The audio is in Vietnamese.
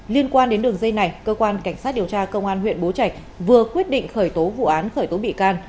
liên quan đến đường dây này cơ quan cảnh sát điều tra công an huyện bố trạch vừa quyết định khởi tố vụ án khởi tố bị can